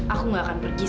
aku gak akan mengingat